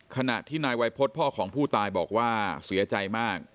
ขณะที่นายวัยพฤษพ่อของผู้ตายบอกว่าเสียใจมาก